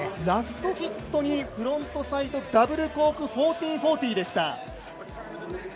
ラストヒットにフロントサイドダブルコーク１４４０でした。